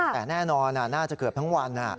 แต่แน่นอนน่าจะเกือบทั้งวัน